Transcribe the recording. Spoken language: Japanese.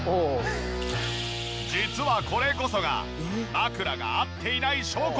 実はこれこそが枕が合っていない証拠！